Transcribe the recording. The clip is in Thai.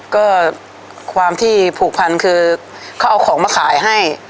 ก็ความที่ผูกพันคือเขาเอาของมาขายให้